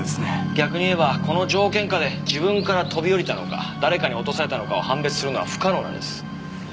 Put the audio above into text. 逆に言えばこの条件下で自分から飛び降りたのか誰かに落とされたのかを判別するのは不可能なんです。